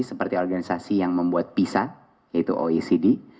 seperti organisasi yang membuat pisa yaitu oecd